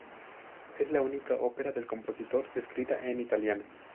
Es la única ópera del compositor escrita en italiano.